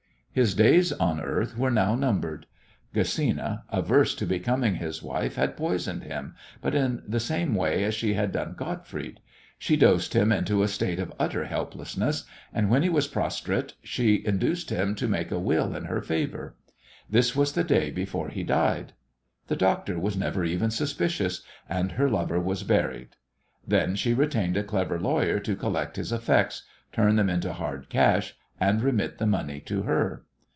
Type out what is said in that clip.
His days on earth were now numbered. Gesina, averse to becoming his wife, had poisoned him, but in the same way as she had done Gottfried. She dosed him into a state of utter helplessness, and when he was prostrate she induced him to make a will in her favour. This was the day before he died. The doctor was never even suspicious, and her lover was buried. Then she retained a clever lawyer to collect his effects, turn them into hard cash, and remit the money to her.